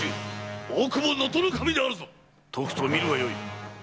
とくと見るがよい。